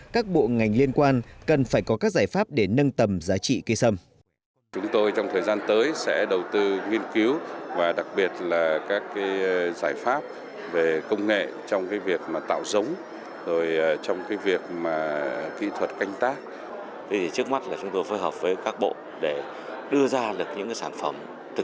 các bộ ngành liên quan cần phải có các giải pháp để nâng tầm giá trị cây sâm